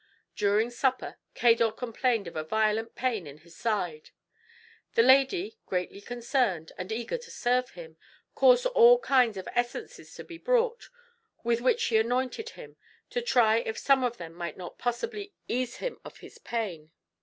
During supper Cador complained of a violent pain in his side. The lady, greatly concerned, and eager to serve him, caused all kinds of essences to be brought, with which she anointed him, to try if some of them might not possibly ease him of his pain.